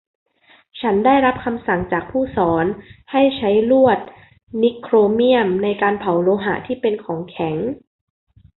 ฉันได้รับคำสั่งจากผู้สอนให้ใช้ลวดนิกโครเมี่ยมในการเผาโลหะที่เป็นของแข็ง